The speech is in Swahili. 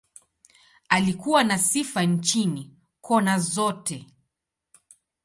Alikuwa na sifa nchini, kona zote.